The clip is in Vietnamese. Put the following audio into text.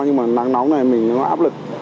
nhưng mà nắng nóng này mình nó áp lực